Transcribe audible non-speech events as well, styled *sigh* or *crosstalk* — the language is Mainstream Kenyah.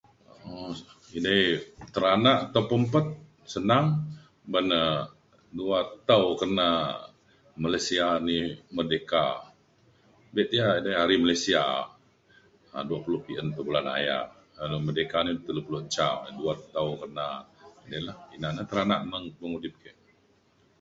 Edei teranak ataupun pet senang ban na dua tau kena Malaysia ni merdeka *unintelligible* hari Malaysia um dua pulu pi’en bulan aya ia’ merdeka ni telu pulu ca dua tau kena ni ina lah teranak men pengudip ke.